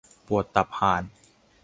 ปวดตับห่าน !